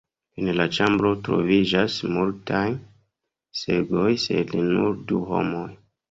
En la ĉambro troviĝas multaj seĝoj sed nur du homoj.